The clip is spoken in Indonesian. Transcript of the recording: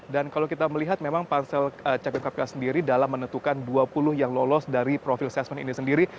dan kalau kita melihat memang pansel cakit kapil sendiri dalam menentukan dua puluh yang lolos dari profil sesmen ini sendiri